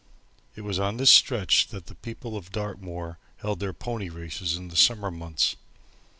It was on this stretch that the people of Dartmoor held their pony races in the summer months.